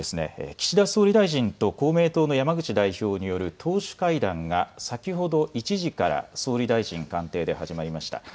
岸田総理大臣と公明党の山口代表による党首会談が先ほど１時から総理大臣官邸で始まりました。